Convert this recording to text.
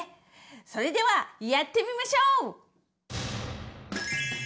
それではやってみましょう！